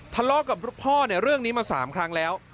ทะเลาะกับพ่อเนี่ยเรื่องนี้มา๓ครั้งแล้ว